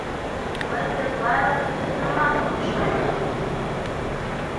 Мый тыгайлан нигунамат ом ӱшане ыле».